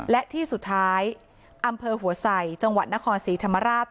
และที่สุดท้ายอำเภอหัวใสจังหวัดนครศรีธรรมราช